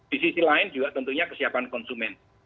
di sisi lain juga tentunya kesiapan konsumen